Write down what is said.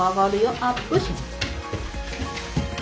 アップ。